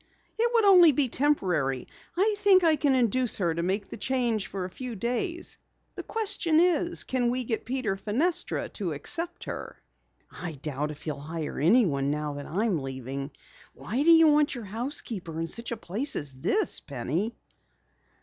"It would only be temporary. I think I can induce her to make the change for a few days. The question is, can we get Peter Fenestra to accept her?" "I doubt if he'll hire anyone now that I am leaving. Why do you want your housekeeper in such a place as this, Penny?"